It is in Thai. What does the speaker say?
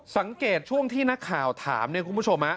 สังเกตช่วงที่นักข่าวถามเนี่ยคุณผู้ชม